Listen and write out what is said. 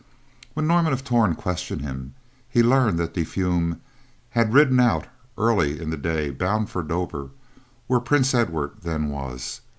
When Norman of Torn questioned him, he learned that De Fulm had ridden out early in the day bound for Dover, where Prince Edward then was.